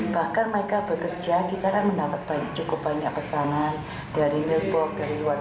bahkan mereka bekerja kita kan mendapat cukup banyak pesanan dari billboard dari luar